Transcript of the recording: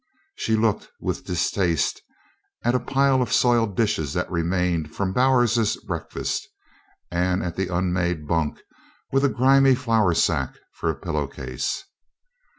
She looked with distaste at a pile of soiled dishes that remained from Bowers's breakfast, and at the unmade bunk with a grimy flour sack for a pillow case.